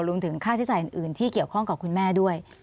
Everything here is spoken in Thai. รวมถึงค่าใช้จ่ายอื่นที่เกี่ยวข้องกับคุณแม่ด้วย